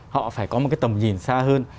họ phải có một cái tầm nhìn